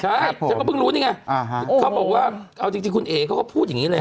ใช่ฉันก็เพิ่งรู้นี่ไงเขาบอกว่าเอาจริงคุณเอ๋เขาก็พูดอย่างนี้เลย